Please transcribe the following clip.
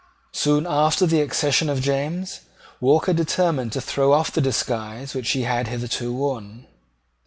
Soon after the accession of James, Walker determined to throw off the disguise which he had hitherto worn.